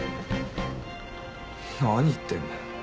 何言ってんだよ。